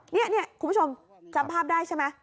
นี่คุณผู้ชมจำภาพได้ใช่ไหม